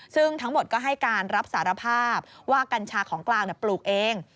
ซึ่งทั้งหมดก็ให้การรับสารภาพว่ากัญชาของกลางปลูกเอง